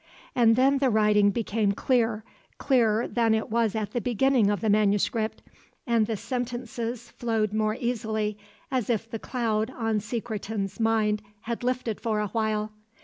And then the writing became clear, clearer than it was at the beginning of the manuscript, and the sentences flowed more easily, as if the cloud on Secretan's mind had lifted for a while.